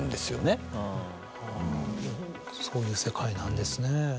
そういう世界なんですね。